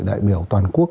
đại biểu toàn quốc